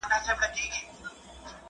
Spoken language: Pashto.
کتابونه زموږ تر ټولو ښه ملګري دي.